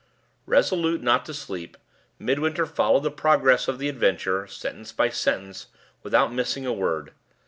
Resolute not to sleep, Midwinter followed the progress of the adventure, sentence by sentence, without missing a word.